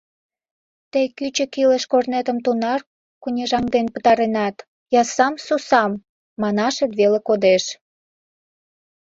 Тый кӱчык илыш корнетым тунар кунежаҥден пытаренат — «Я сам с усам» манашет веле кодеш.